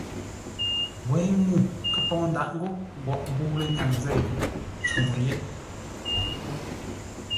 Wêi ŋuu kə pou ndǎʼ ńgó mboʼ mbə̂u lənyaŋ zêi tsúŋu yé.